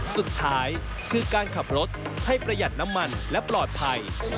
สุดท้ายคือการขับรถให้ประหยัดน้ำมันและปลอดภัย